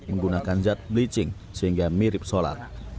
menggunakan zat bleaching sehingga mirip solar